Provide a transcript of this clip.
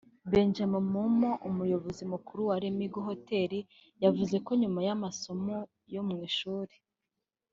Benjamin Mumo umuyobozi mukuru wa Lemigo Hotel yavuze ko nyuma y’amasomo yo mu ishuri